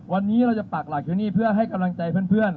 วันนี้เราจะปากหลักอยู่นี่เพื่อให้กำลังใจเพื่อน